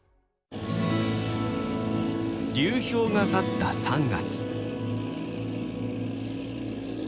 流氷が去った３月。